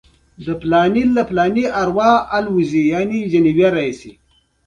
ګلاب د زړونو فتحه کوي.